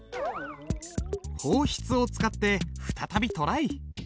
方筆を使って再びトライ！